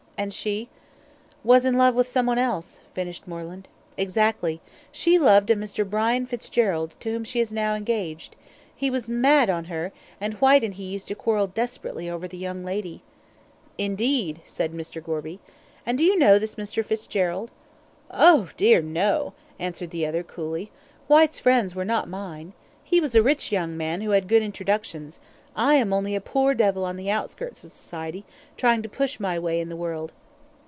"And she " "Was in love with someone else," finished Moreland. "Exactly! Yes, she loved a Mr. Brian Fitzgerald, to whom she is now engaged. He was mad on her; and Whyte and he used to quarrel desperately over the young lady." "Indeed!" said Mr. Gorby. "And do you know this Mr. Fitzgerald?" "Oh, dear, no!" answered the other, coolly. "Whyte's friends were not mine. He was a rich young man who had good introductions. I am only a poor devil on the outskirts of society, trying to push my way in the world."